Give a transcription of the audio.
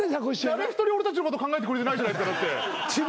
誰一人俺たちのこと考えてくれてないじゃないですか。